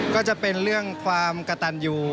ก็จะเป็นเรื่องความกระตันอยู่